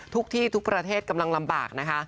ทุกที่ทุกประเทศกำลังลำบากนะคะ